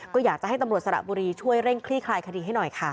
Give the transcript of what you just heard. ก็อยากจะให้ตำรวจสระบุรีช่วยเร่งคลี่คลายคดีให้หน่อยค่ะ